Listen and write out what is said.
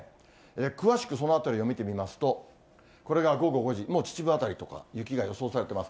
詳しくそのあたりを見てみますと、これが午後５時、もう秩父辺りとか、雪が予想されてます。